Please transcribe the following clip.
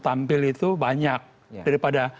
tampil itu banyak daripada